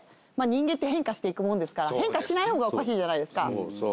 人間って変化していくもんですから変化しないほうがおかしいじゃないですか。